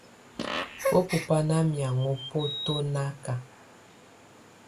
Bǝ́bu bá ná miaŋɔ bɔtɔnaka.